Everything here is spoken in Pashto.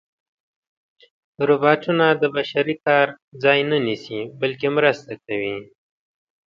روبوټونه د بشري کار ځای نه نیسي، بلکې مرسته کوي.